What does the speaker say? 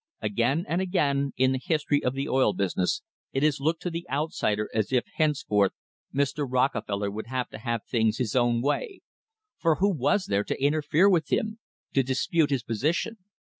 Again and again in the history of the oil business it has looked to the outsider as if henceforth Mr. Rockefeller would have to have things his own way, for who was there to interfere with him, to dis pute his position?